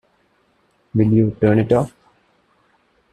Will you turn it off?